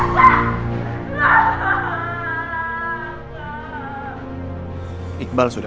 saya super senang